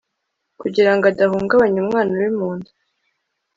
kugirango adahungabanya umwana uri mu nda